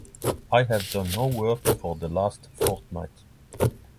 I have done no work for the last fortnight.